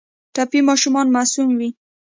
ټپي ماشومان معصوم وي.